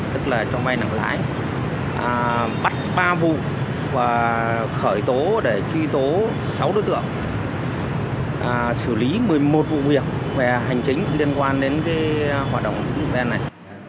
tức là cho vay nặng lãi bắt ba vụ và khởi tố để truy tố sáu đối tượng xử lý một mươi một vụ việc về hành chính liên quan đến hoạt động tín dụng đen này